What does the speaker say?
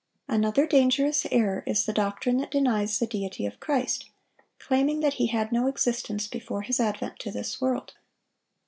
Another dangerous error is the doctrine that denies the deity of Christ, claiming that He had no existence before His advent to this world.